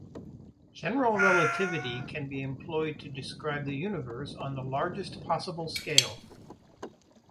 General relativity can be employed to describe the universe on the largest possible scale.